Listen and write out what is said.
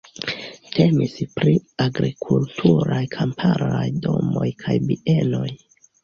Temis pri agrikulturaj kamparanaj domoj kaj bienoj.